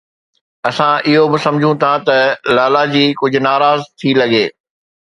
اسان اهو به سمجهون ٿا ته لالاجي ڪجهه ناراض ٿي لڳي